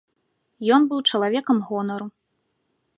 Ён быў чалавекам гонару.